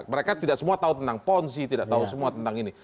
mereka tidak semua tahu tentang ponzi tidak tahu semua tentang ini